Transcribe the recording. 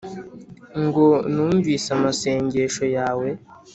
ngo ’Numvise amasengesho yawe,